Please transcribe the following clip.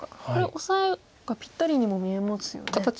これオサエがぴったりにも見えますよね。